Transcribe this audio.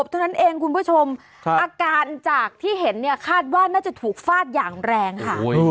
อาการจากที่เห็นเนี่ยคาดว่าน่าจะถูกฟาดอย่างแรงค่ะ